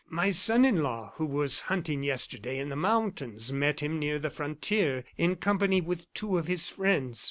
My son in law, who was hunting yesterday in the mountains, met him near the frontier in company with two of his friends.